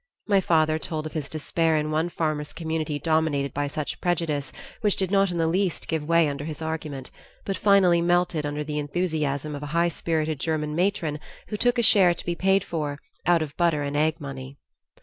My father told of his despair in one farmers' community dominated by such prejudice which did not in the least give way under his argument, but finally melted under the enthusiasm of a high spirited German matron who took a share to be paid for "out of butter and egg money."